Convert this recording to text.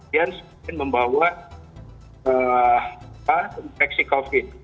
kemudian sempat membawa infeksi covid